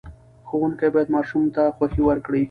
ښوونکي باید ماشوم ته خوښۍ ورکړي.